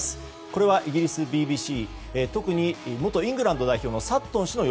これはイギリスＢＢＣの特に元イングランド代表のサットン氏の